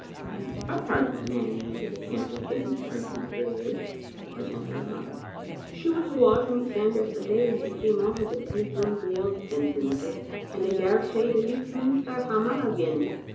" I never heard that Nanny needed a candle to licht her to her bed," the precentor muttered. " She was awa to meet Sanders the day as he came out o' the Tilliedrum gaol," Spens remembered, "and I daresay the licht means they're hame again."